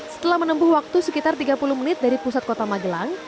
setelah menempuh waktu sekitar tiga puluh menit dari pusat kota magelang